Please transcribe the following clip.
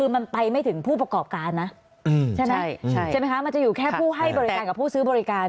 มันไปไม่ถึงผู้ประกอบการนะใช่ไหมใช่ไหมคะมันจะอยู่แค่ผู้ให้บริการกับผู้ซื้อบริการ